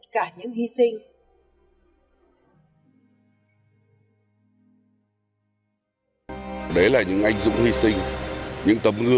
cả những hy sinh